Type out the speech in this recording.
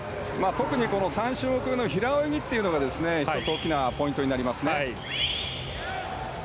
特に、３種目めの平泳ぎが１つ大きなポイントになります。